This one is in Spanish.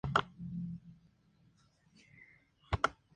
Se encuentra ubicada entre el Portal de la Municipalidad y el Portal de Flores.